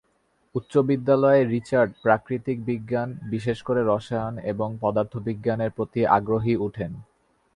উচ্চ বিদ্যালয়ে রিচার্ড প্রাকৃতিক বিজ্ঞান, বিশেষ করে রসায়ন এবং পদার্থবিজ্ঞান এর প্রতি আগ্রহী উঠেন।